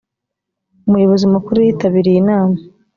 umuyobozi mukuru yitabiriye inama.